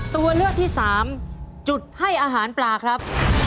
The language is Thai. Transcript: ตัวเลือกที่สามจุดให้อาหารปลาครับ